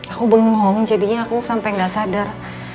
aku bengong jadinya aku sampai gak sadar